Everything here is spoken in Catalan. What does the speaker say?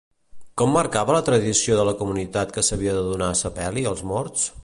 Com marcava la tradició de la comunitat que s'havia de donar sepeli als morts?